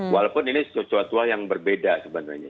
walaupun ini sesuatu hal yang berbeda sebenarnya